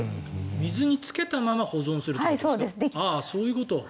水につけたまま保存するってことですか？